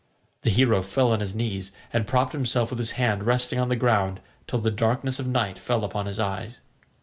The hero fell on his knees, and propped himself with his hand resting on the ground till the darkness of night fell upon his eyes.